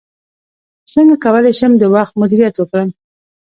څنګه کولی شم د وخت مدیریت وکړم